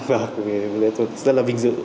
và tôi rất là vinh dự